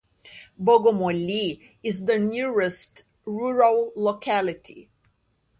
Bogomolye is the nearest rural locality.